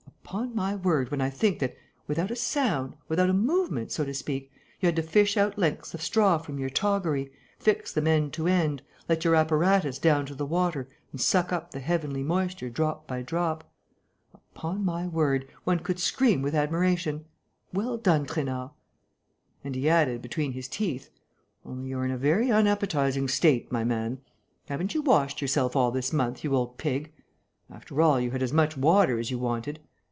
Upon my word, when I think that, without a sound, without a movement so to speak, you had to fish out lengths of straw from your toggery, fix them end to end, let your apparatus down to the water and suck up the heavenly moisture drop by drop.... Upon my word, one could scream with admiration.... Well done, Trainard...." And he added, between his teeth, "Only you're in a very unappetizing state, my man. Haven't you washed yourself all this month, you old pig? After all, you had as much water as you wanted!...